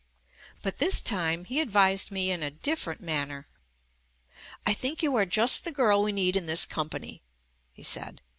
But this time he JUST ME advised me in a different manner. "I think you are just the girl we need in this company/ 5 he said.